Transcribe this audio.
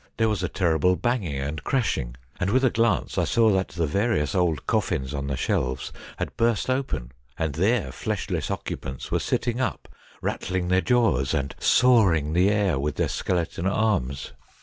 There was a terrible banging and crashing, and with a glance I saw that the various old coffins on the shelves had burst open, and their fleshless occupants were sitting up rattling their jaws, and sawing the air with their skeleton arms.